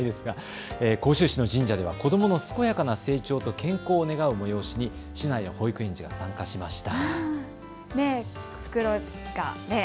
甲州市などの神社では子どもの健やかな成長と健康を願う催しに市内の保育園児たちが参加しました。